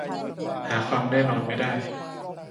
หาความแน่นอนไม่ได้